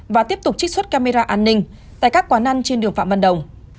và tiếp tục trích xuất camera an ninh tại các quán ăn trên đường phạm văn đồng